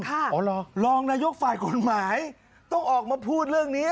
อ๋อเหรอรองนายกฝ่ายกฎหมายต้องออกมาพูดเรื่องนี้